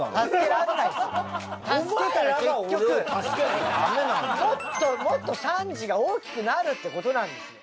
お前もっと惨事が大きくなるってことなんですよ